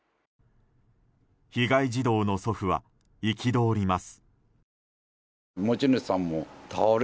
被害児童の祖父は憤ります。